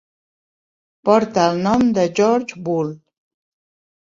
Porta el nom de George Boole.